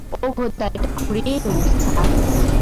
ও খোদা, ওটা cream, sir!